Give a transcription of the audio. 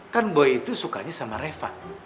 kan boy itu sukanya sama reva